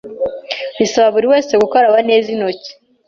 risaba buri wese gukaraba neza intoki